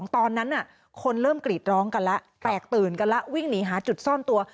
ตอนนั้นคนเริ่มกรีดร้องกันแล้วแตกตื่นกันแล้ววิ่งหนีหาจุดซ่อนตัว